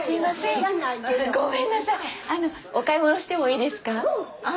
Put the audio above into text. お買い物してもいいですか？